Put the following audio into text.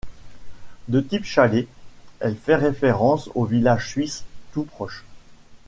De type chalet, elle fait référence au village suisse tout proche.